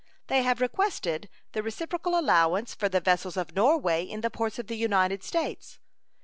They have requested the reciprocal allowance for the vessels of Norway in the ports of the United States.